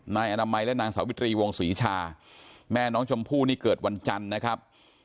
นายอนามัยและนางสาวิตรีวงศรีชาแม่น้องชมพู่นี่เกิดวันจันทร์นะครับ